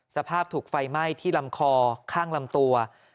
สภาพถูกไฟไหม้ที่ลำคอข้างลำตัว